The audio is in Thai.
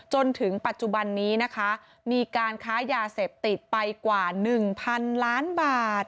จนถึงปัจจุบันนี้นะคะมีการค้ายาเสพติดไปกว่า๑๐๐๐ล้านบาท